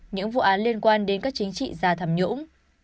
những vụ án liên quan đến các chính trị giải quyết